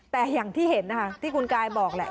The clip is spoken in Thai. แต่อย่างที่เห็นนะคะที่คุณกายบอกแหละ